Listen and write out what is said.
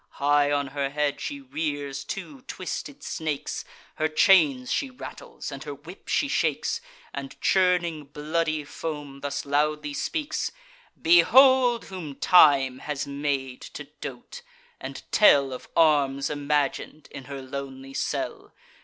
High on her head she rears two twisted snakes, Her chains she rattles, and her whip she shakes; And, churning bloody foam, thus loudly speaks: "Behold whom time has made to dote, and tell Of arms imagin'd in her lonely cell!